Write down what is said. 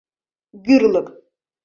Гӱрлык!